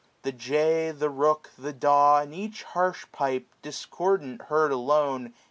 The jay, the rook, the daw. And each harsh pipe, discordant heard alone.